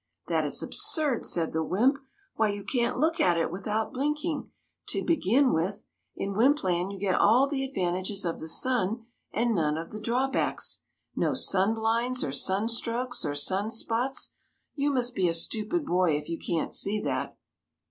" That is absurd !" said the wymp. '• Why, you can't look at it without blinking, to begin with. In Wympland you get all the advan tages of the sun and none of the drawbacks, — no sunblinds or sunstrokes or sunspots ! You must be a stupid boy if you can't see that!"